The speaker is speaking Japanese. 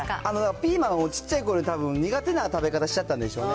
ピーマンをちっちゃいころにたぶん、苦手な食べ方しちゃったんでしょうね。